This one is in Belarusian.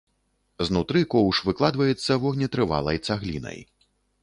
Знутры коўш выкладваецца вогнетрывалай цаглінай.